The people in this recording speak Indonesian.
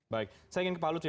baik saya ingin ke pak lutch